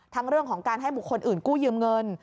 เรื่องของการให้บุคคลอื่นกู้ยืมเงิน